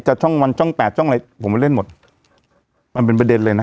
ช่องวันช่องแปดช่องอะไรผมไปเล่นหมดมันเป็นประเด็นเลยนะ